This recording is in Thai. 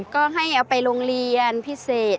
ก็ให้เอาไปโรงเรียนพิเศษ